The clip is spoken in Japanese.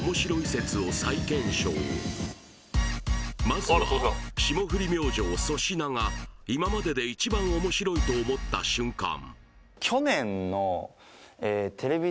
まずは霜降り明星・粗品が今までで一番面白いと思った瞬間